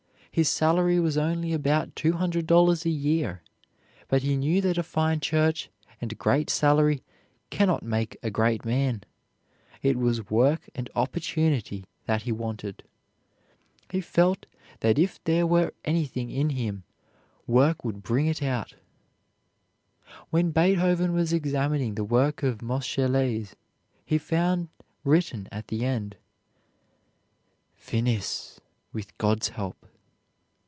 His salary was only about $200 a year, but he knew that a fine church and great salary can not make a great man. It was work and opportunity that he wanted. He felt that if there were anything in him work would bring it out. When Beethoven was examining the work of Moscheles, he found written at the end, "Finis, with God's help."